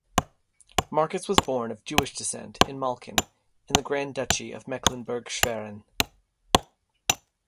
Marcus was born of Jewish descent in Malchin, in the Grand Duchy of Mecklenburg-Schwerin.